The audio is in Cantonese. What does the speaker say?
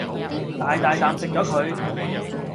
大大啖食左佢